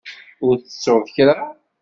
Ur tettuḍ kra?